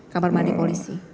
kamar mandi polisi